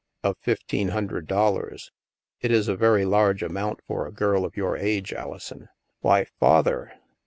"Of fifteen hundred dollars. It is a very large amount for a girl of your age, Alison." " Why, Father!